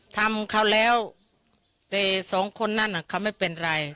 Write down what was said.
ทำเขาแล้วแต่สองคนนั้นเขาไม่เป็นไร